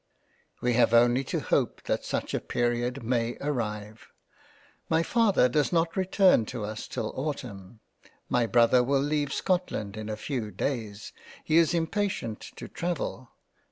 We have only to hope that such a period may arrive. My Father does not return to us till Autumn ; my Brother will leave Scotland in a few Days ; he is impatient to travel.